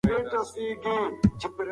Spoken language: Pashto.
هغه ښوونځی چې نظم لري، بریالی دی.